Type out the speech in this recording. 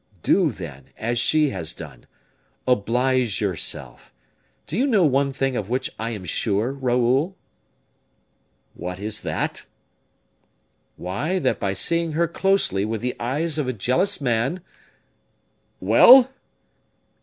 Do, then, as she has done. Oblige yourself. Do you know one thing of which I am sure, Raoul?" "What is that?" "Why, that by seeing her closely with the eyes of a jealous man " "Well?"